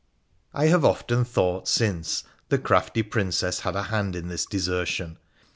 I have often thought, since, the crafty Princess had a hand in this desertion.